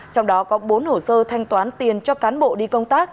trong đó có bốn hồ sơ thanh toán tiền cho cán bộ đi công tác